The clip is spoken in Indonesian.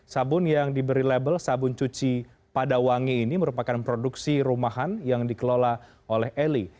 sabun yang diberi label sabun cuci pada wangi ini merupakan produksi rumahan yang dikelola oleh eli